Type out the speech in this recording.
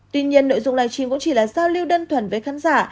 tuy nhiên nội dung live stream cũng chỉ là giao lưu đơn thuần với khán giả